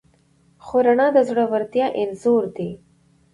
خو رڼا د زړورتیا انځور دی.